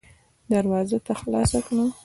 دروازه تا خلاصه کړه.